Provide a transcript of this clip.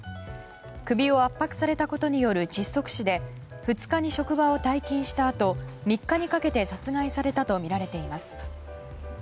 首を圧迫されたことによる窒息死で２日に職場を退勤したあと３日にかけて殺害されたとみられています。